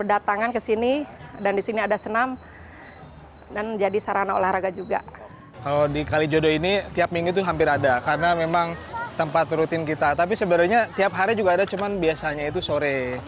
rth dan rp trakali jodoh ini tiap minggu itu hampir ada karena memang tempat rutin kita tapi sebenarnya tiap hari juga ada cuma biasanya itu sore